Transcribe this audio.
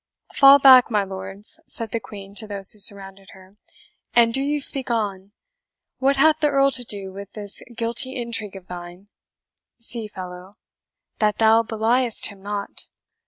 "Fall back, my lords," said the Queen to those who surrounded her, "and do you speak on. What hath the Earl to do with this guilty intrigue of thine? See, fellow, that thou beliest him not!"